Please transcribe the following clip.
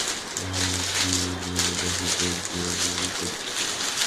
মাস দু-এক লাগবে বাসের যোগ্য করতে।